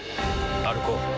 歩こう。